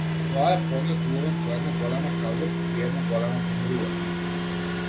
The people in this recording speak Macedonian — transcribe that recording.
Тоа е поглед уловен по една голема кавга, при едно големо помирување.